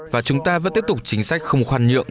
và chúng ta vẫn tiếp tục chính sách không khoan nhượng